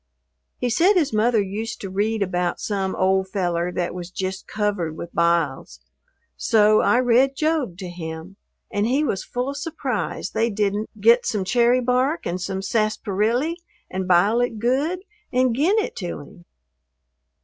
He said his mother used to read about some "old feller that was jist covered with biles," so I read Job to him, and he was full of surprise they didn't "git some cherry bark and some sasparilly and bile it good and gin it to him."